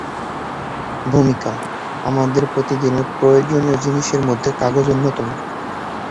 ভূমিকা: আমাদের প্রতিদিনের প্রয়োজনীয় জিনিসের মধ্যে কাগজ অন্যতম।